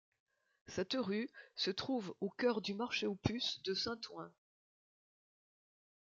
Cette rue se trouve au cœur du marché aux puces de Saint-Ouen.